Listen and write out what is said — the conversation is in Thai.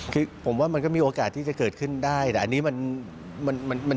คือผมว่ามันก็มีโอกาสที่จะเกิดขึ้นได้แต่อันนี้มัน